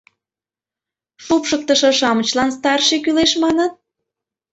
— Шупшыктышо-шамычлан старший кӱлеш, маныт?